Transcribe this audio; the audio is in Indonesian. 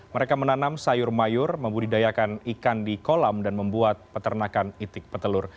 mereka menanam sayur mayur membudidayakan ikan di kolam dan membuat peternakan itik petelur